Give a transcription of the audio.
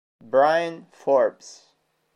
Bryn Forbes